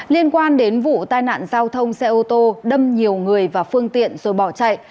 liên quan đến vụ tai nạn giao thông xe ô tô đâm nhiều người vào phương tiện rồi bỏ chạy